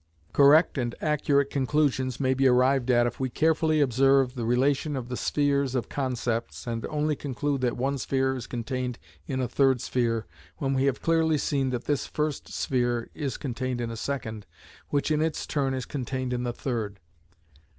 Correct and accurate conclusions may be arrived at if we carefully observe the relation of the spheres of concepts, and only conclude that one sphere is contained in a third sphere, when we have clearly seen that this first sphere is contained in a second, which in its turn is contained in the third.